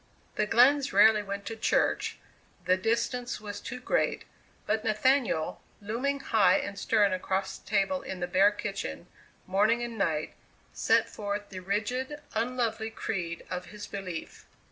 The Glenns rarely went to church the distance was too great but Nathaniel, looming high and stern across the table in the bare kitchen, morning and night, set forth the rigid, unlovely creed of his belief.